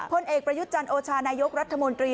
พลเอกประยุทธ์จันทร์โอชานายกรัฐมนตรี